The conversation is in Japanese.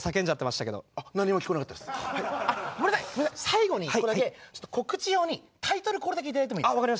最後に一個だけ告知用にタイトルコールだけ頂いてもいいですか？